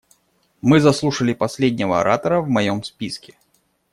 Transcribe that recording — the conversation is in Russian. Мы заслушали последнего оратора в моем списке.